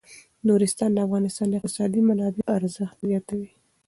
نورستان د افغانستان د اقتصادي منابعو ارزښت زیاتوي.